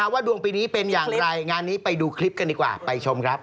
ว่าดวงปีนี้เป็นอย่างไรงานนี้ไปดูคลิปกันดีกว่าไปชมครับ